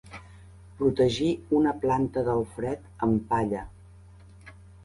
Protegir una planta del fred amb palla.